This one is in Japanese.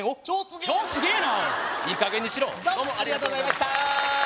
超すげえないいかげんにしろどうもありがとうございました